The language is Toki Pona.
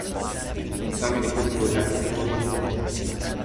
jan sama li kulupu la ni li pona mute.